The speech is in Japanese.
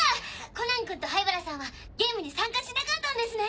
コナンくんと灰原さんはゲームに参加しなかったんですね。